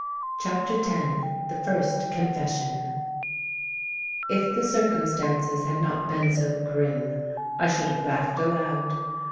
CHAPTER X THE FIRST CONFESSION I F the circumstances had not been so grim, I should have laughed aloud.